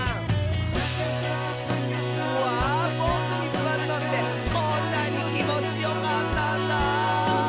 「うわボクにすわるのってこんなにきもちよかったんだ」